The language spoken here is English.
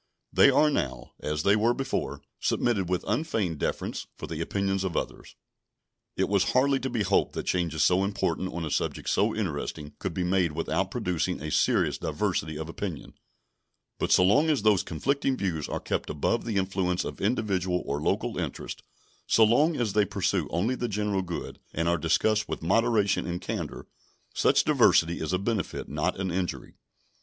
They are now, as they were before, submitted with unfeigned deference for the opinions of others. It was hardly to be hoped that changes so important on a subject so interesting could be made without producing a serious diversity of opinion; but so long as those conflicting views are kept above the influence of individual or local interests, so long as they pursue only the general good and are discussed with moderation and candor, such diversity is a benefit, not an injury.